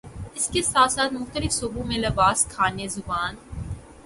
اس کے ساتھ ساتھ مختلف صوبوں میں لباس، کھانے، زبان